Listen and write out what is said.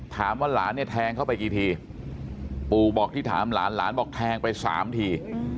หลานเนี่ยแทงเข้าไปกี่ทีปู่บอกที่ถามหลานหลานบอกแทงไปสามที